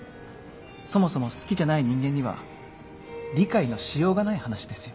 そもそも好きじゃない人間には理解のしようがない話ですよ。